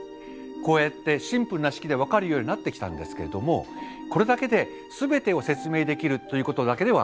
こうやってシンプルな式で分かるようになってきたんですけれどもこれだけですべてを説明できるということだけではなかったんですね。